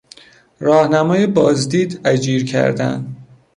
راهنمای بازدید اجیر کردن